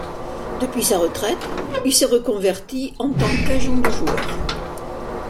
Depuis sa retraite il s'est reconverti en tant qu'agent de joueurs.